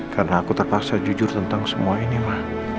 karena aku terpaksa jujur tentang semua ini ma